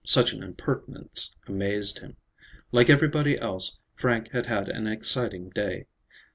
Such an impertinence amazed him. Like everybody else, Frank had had an exciting day.